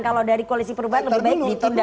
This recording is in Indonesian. kalau dari koalisi perubahan lebih baik ditindak